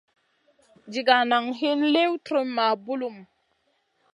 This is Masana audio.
Ɗiga nan hin liw truhma bulum.